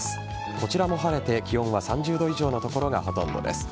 こちらも晴れて気温は３０度以上の所がほとんどです。